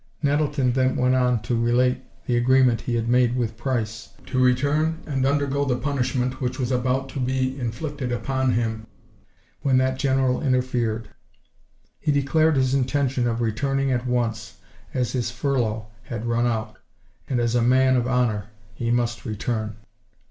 Nettleton then went on to relate the agreement he had made with Price, to return, and undergo the punishment which was about to be inflicted upon him when that General interfered. He declared his intention of returning at once, as his "furlough" had run out, and as a "man of honor" he must return.